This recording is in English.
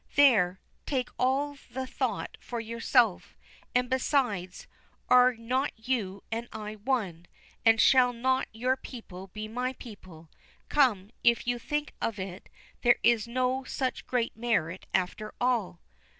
There, take all the thought for yourself. And, besides, are not you and I one, and shall not your people be my people? Come, if you think of it, there is no such great merit after all."